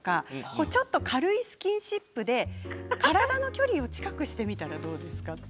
ちょっと軽いスキンシップで体の距離を近くしてみたらどうですかって。